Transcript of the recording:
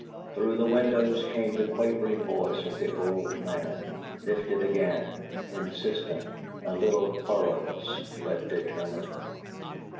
Through the windows came the quavering voice of the old man, lifted again, insistent, a little querulous, but determined.